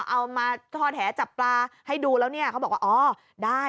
เอามาทอดแหจับปลาให้ดูแล้วเนี่ยเขาบอกว่าอ๋อได้